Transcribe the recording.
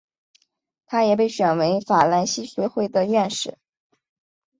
他也被选为法兰西学会的院士。